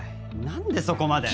何でそこまで？